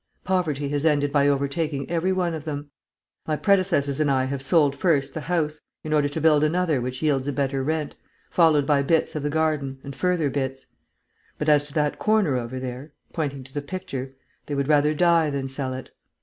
Poverty has ended by overtaking every one of them. My predecessors and I have sold first the house, in order to build another which yields a better rent, followed by bits of the garden and further bits. But, as to that corner over there," pointing to the picture, "they would rather die than sell it.